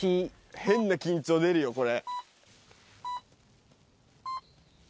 変な緊張出るよ、これ。